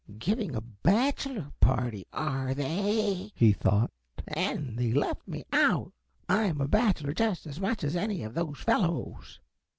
"Giving a bachelor party, are they," he thought, "and they left me out. I am a bachelor just as much as any of those fellows.